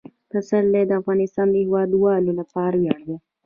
پسرلی د افغانستان د هیوادوالو لپاره ویاړ دی.